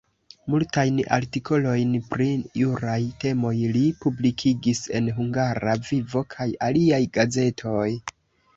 Multajn artikolojn pri juraj temoj li publikigis en Hungara Vivo kaj aliaj gazetoj.